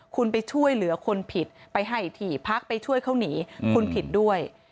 คุณไปช่วยเหลือคนผิดไปให้ถี่พักไปช่วยเขาหนีคุณผิดด้วย